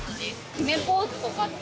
キメポーズとかって。